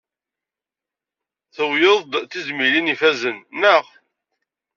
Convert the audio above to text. Tuwyeḍ-d tizmilin ifazen, naɣ?